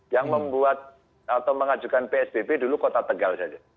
yang membuat atau mengajukan psbb dulu kota tegal saja